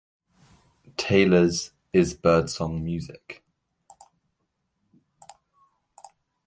Taylor's 'Is Birdsong Music?